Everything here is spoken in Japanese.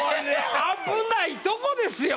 危ないとこですよ